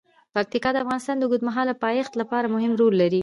پکتیکا د افغانستان د اوږدمهاله پایښت لپاره مهم رول لري.